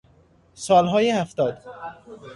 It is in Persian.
سالهای هفتاد